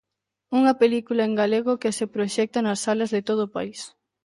Unha película en galego que se proxecta nas salas de todo o país.